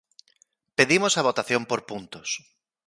Pedimos a votación por puntos.